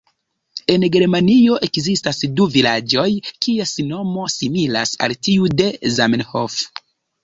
En Germanio ekzistas du vilaĝoj, kies nomo similas al tiu de "Zamenhof".